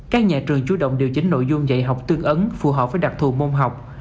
các nhà trường chủ động điều chỉnh nội dung dạy học tương ứng phù hợp với đặc thù môn học